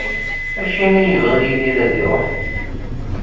Acimi i yebɣa Yidir ad iruḥ?